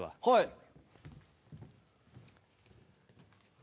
はい。